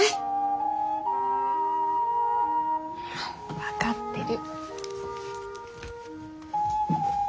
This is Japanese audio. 分かってる。